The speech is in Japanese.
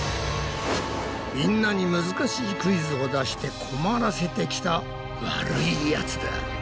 みんなに難しいクイズを出して困らせてきた悪いヤツだ。